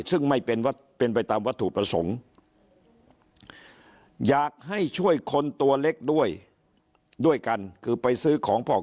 ซึ่งไม่เป็นไปตามวัตถุประสงค์อยากให้ช่วยคนตัวเล็กด้วยด้วยกันคือไปซื้อของพ่อ